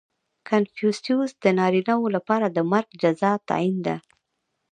• کنفوسیوس د نارینهوو لپاره د مرګ جزا تعیین کړه.